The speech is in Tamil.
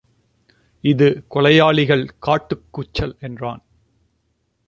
இது கொலையாளிகள் காட்டுக் கூச்சல் என்றான்.